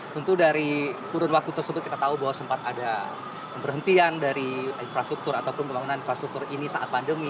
tentu dari kurun waktu tersebut kita tahu bahwa sempat ada pemberhentian dari infrastruktur ataupun pembangunan infrastruktur ini saat pandemi